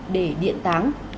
để điện táng